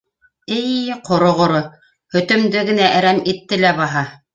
Уй, ҡороғоро, һөтөмдө генә әрәм итте лә баһа.